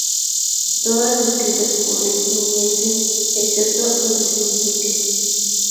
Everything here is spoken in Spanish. Todas escritas por Rick Nielsen, excepto donde se indique.